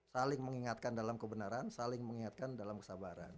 saling mengingatkan dalam kebenaran saling mengingatkan dalam kesabaran